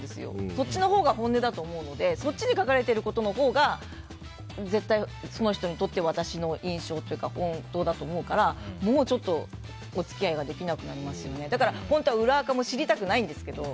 そっちのほうのが本音だと思うのでそっちに書かれていることのほうが絶対、その人にとって私の印象というか本当だと思うからもうちょっとお付き合いができなくなりますよね。